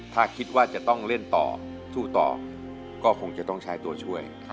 ถ้าคิดว่าจะต้องเล่นต่อสู้ต่อก็คงจะต้องใช้ตัวช่วย